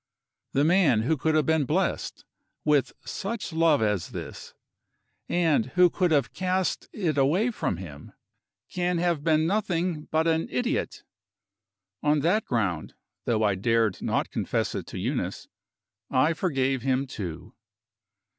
The man who could have been blessed with such love as this, and who could have cast it away from him, can have been nothing but an idiot. On that ground though I dared not confess it to Eunice I forgave him, too.